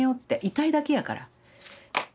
痛いだけやから。